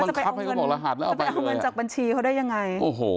มันจะไปเอาเงินจากบัญชีเขาได้ยังไง